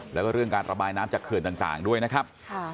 แล้วก็เรื่องการระบายน้ำจากเขื่อนต่างด้วยนะครับ